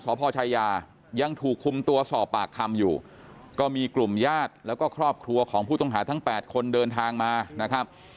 พ่อชายายังถูกคุมตัวสอบปากคำอยู่ก็มีกลุ่มญาติแล้วก็ครอบครัวของผู้ต้องหาทั้ง๘คนเดินทางมานะครับ